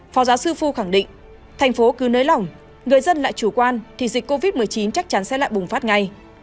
phó giáo sư phu khẳng định thành phố cứ nới lỏng người dân lại chủ quan thì dịch covid một mươi chín chắc chắn sẽ lại bùng phát ngay